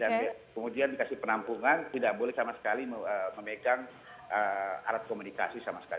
dan kemudian dikasih penampungan tidak boleh sama sekali memegang alat komunikasi sama sekali